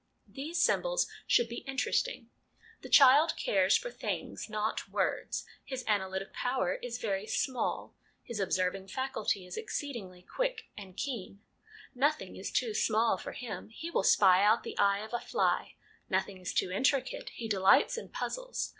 These Symbols should be Interesting. The child cares for things, not words ; his analytic power is very small, his observing faculty is exceedingly quick and keen ; nothing is too small for him ; he will spy out the eye of a fly ; nothing is too intricate, he delights in puzzles.